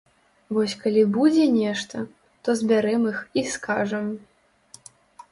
Вось калі будзе нешта, то збярэм іх і скажам!